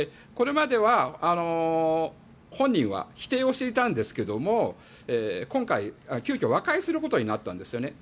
これまでは本人は否定していたんですけども今回、急きょ和解することになったんですよ。